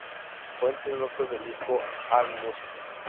Fuente: Notas del disco y Allmusic.